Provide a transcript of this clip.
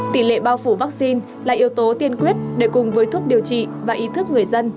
tỷ lệ bao phủ vaccine là yếu tố tiên quyết để cùng với thuốc điều trị và ý thức người dân